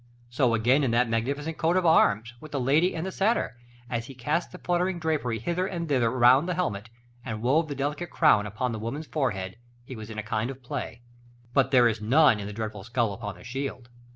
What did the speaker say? So again in that magnificent coat of arms, with the lady and the satyr, as he cast the fluttering drapery hither and thither around the helmet, and wove the delicate crown upon the woman's forehead, he was in a kind of play; but there is none in the dreadful skull upon the shield.